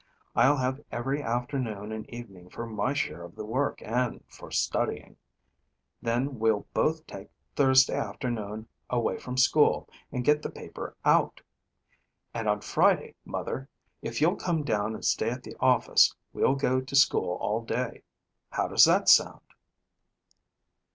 I'll have every afternoon and evening for my share of the work and for studying. Then we'll both take Thursday afternoon away from school and get the paper out. And on Friday, Mother, if you'll come down and stay at the office, we'll go to school all day. How does that sound?"